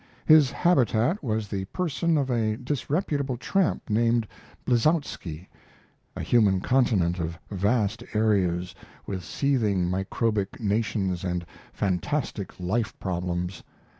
His habitat was the person of a disreputable tramp named Blitzowski, a human continent of vast areas, with seething microbic nations and fantastic life problems.